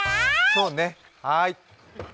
そうね、はーい。